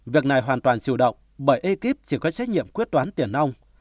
việc này hoàn toàn chủ động bởi ekip chỉ có trách nhiệm quyết toán tiền ong